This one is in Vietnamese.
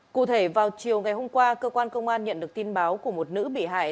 cụ thể vào chiều ngày hôm qua cơ quan công an nhận được tin báo của một nữ bị hại